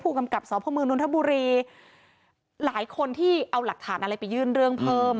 กำกับสพมนทบุรีหลายคนที่เอาหลักฐานอะไรไปยื่นเรื่องเพิ่ม